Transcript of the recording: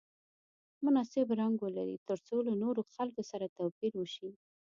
مناسب رنګ ولري ترڅو له نورو خلکو سره توپیر وشي.